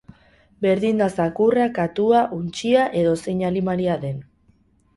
Berdin da zakurra, katua, untxia edo zein animalia den.